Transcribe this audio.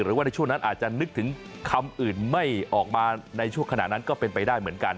หรือว่าในช่วงนั้นอาจจะนึกถึงคำอื่นไม่ออกมาในช่วงขณะนั้นก็เป็นไปได้เหมือนกัน